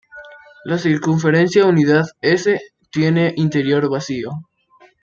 La circunferencia unidad "S" tiene interior vacío.